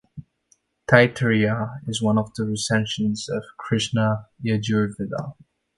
Taittiriya is one of the recensions of Krishna Yajurveda.